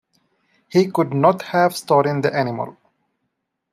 He could not have stolen the animal.